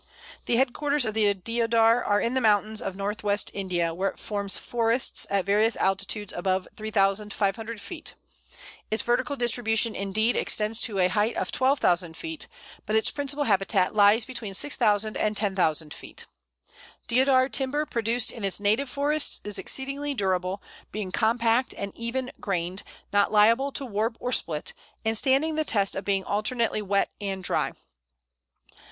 The headquarters of the Deodar are in the mountains of north west India, where it forms forests at various altitudes above 3500 feet. Its vertical distribution, indeed, extends to a height of 12,000 feet, but its principal habitat lies between 6000 and 10,000 feet. Deodar timber produced in its native forests is exceedingly durable, being compact and even grained, not liable to warp or split, and standing the test of being alternately wet and dry.